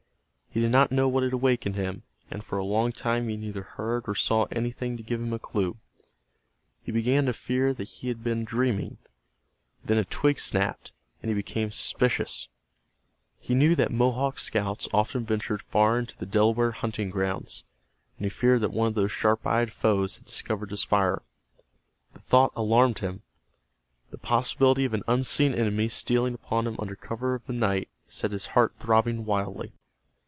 He did not know what had awakened him, and for a long time he neither heard or saw anything to give him a clue. He began to fear that he had been dreaming. Then a twig snapped, and he became suspicious. He knew that Mohawk scouts often ventured far into the Delaware hunting grounds, and he feared that one of those sharp eyed foes had discovered his fire. The thought alarmed him. The possibility of an unseen enemy stealing upon him under cover of the night set his heart throbbing wildly.